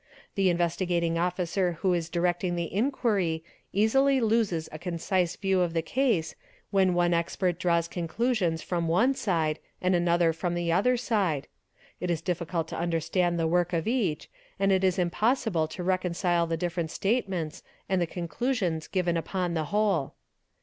The Investigating Officer who is directing the inquiry easily loses a concise view of the case when one expert draws conclusions from one side and ~ another from the other side; it is difficult to understand the work of each and it is impossible to reconcile the different statements and the con clusions given upon the whole.